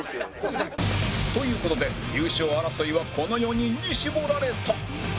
という事で優勝争いはこの４人に絞られた